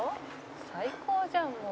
「最高じゃんもう」